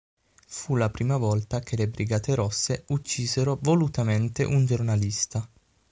Fu la prima volta che le Brigate Rosse uccisero volutamente un giornalista.